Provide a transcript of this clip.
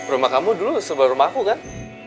rumah kamu dulu sebuah rumah aku kan